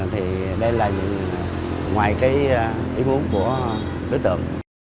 thì đây là ngoài cái ý muốn của đối tượng